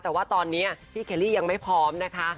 แต่ว่าตอนนี้พี่เคลรี่ยังไม่พร้อมนะคะ